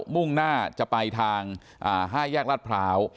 มุ่งหน้าจะไปทางห้ายแยกรัดพราว